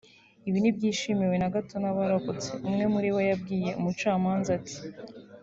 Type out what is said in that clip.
Ibi ntibyishimiwe na gato n’abarokotse; umwe muri bo yabwiye ubucamanza ati